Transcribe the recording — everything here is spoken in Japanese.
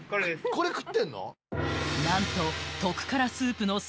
これ食ってんの？